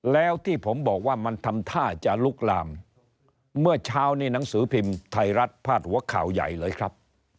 แล้วที่ผมบอกว่ามันทำท่าจะลุกลามเมื่อเช้านี้หนังสือพิมพ์ไทยรัฐพาดหัวข่าวใหญ่เลยครับ